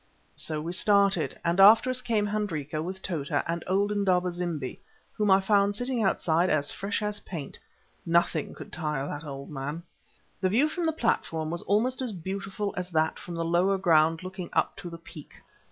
So we started, and after us came Hendrika with Tota and old Indaba zimbi whom I found sitting outside as fresh as paint. Nothing could tire that old man. The view from the platform was almost as beautiful as that from the lower ground looking up to the peak.